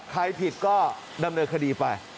ใครผิดก็ดำเนินคดีไป